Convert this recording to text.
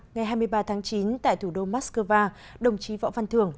ngày hai mươi ba tháng chín tại thủ đô moscow đồng chí võ văn thường